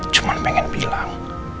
cuman pengen bilang